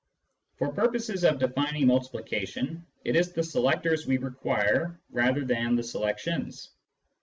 For purposes of defining multiplication, it is the selectors we require rather than the selections.